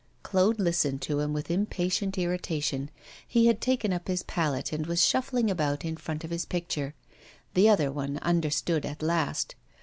Claude listened to him with impatient irritation. He had taken up his palette and was shuffling about in front of his picture. The other one understood at last.